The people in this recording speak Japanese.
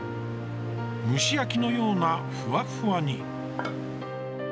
蒸し焼きのようなふわふわに。